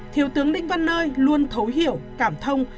thiếu tướng đinh văn nơi luôn thấu hiểu cảm thông